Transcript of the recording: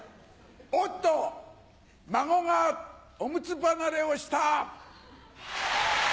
おっと孫がオムツ離れをした！